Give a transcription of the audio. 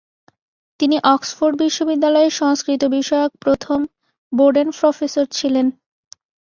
তিনি অক্সফোর্ড বিশ্ববিদ্যালয়ের সংস্কৃত বিষয়ক প্রথম "বোডেন প্রফেসর" ছিলেন।